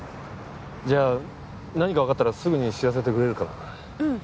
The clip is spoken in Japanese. じゃあ何かわかったらすぐに知らせてくれるかな。